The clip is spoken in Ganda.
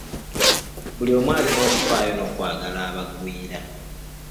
Buli omu alina okufaayo n'okwagala abagwira.